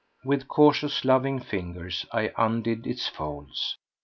With cautious, loving fingers I undid its folds.